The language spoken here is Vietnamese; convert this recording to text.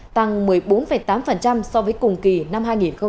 tăng một mươi bốn tám so với cùng kỳ năm hai nghìn hai mươi